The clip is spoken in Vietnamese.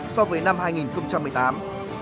so với năm hai nghìn một mươi tám